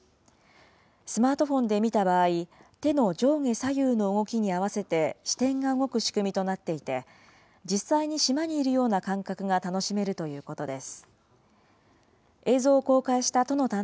スマートフォンで見た場合、手の上下左右の動きに合わせて視点が動く仕組みとなっていて、実際に島にいるような感覚が楽しめるということです。